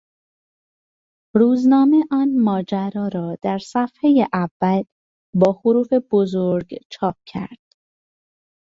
روزنامه آن ماجرا را در صفحهی اول با حروف بزرگ چاپ کرد.